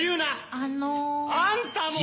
あの。あんたも？